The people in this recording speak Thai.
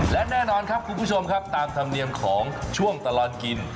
และแน่นอนครับคุณผู้ชมครับตามธรรมเนียมของช่วงตลอดกิน